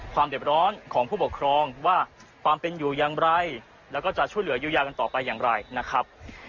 เด็บร้อนของผู้ปกครองว่าความเป็นอยู่อย่างไรแล้วก็จะช่วยเหลือเยียวยากันต่อไปอย่างไรนะครับ